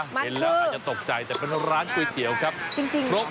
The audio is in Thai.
เห็นแล้วอาจจะตกใจแต่เป็นร้านก๋วยเตี๋ยวครับจริงครบ